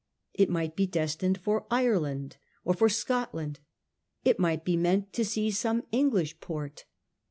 It might be destined for Ireland or for Scotland. It might be meant to seize some English port.